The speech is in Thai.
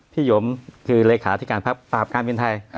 พี่หยมคือเลขาที่การปราบการบินไทย